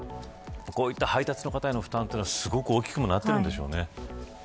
こういった配達の方への負担も大きくなってるんでしょうね。